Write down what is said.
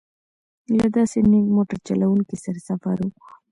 له داسې نېک موټر چلوونکي سره سفر و.